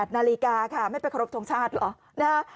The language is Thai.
นาฬิกาค่ะไม่ไปขอรบทรงชาติเหรอ